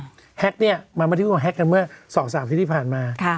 อ่าแฮกเนี่ยมันไม่ได้พูดว่าแฮกกันเมื่อสองสามสิบที่ผ่านมาค่ะ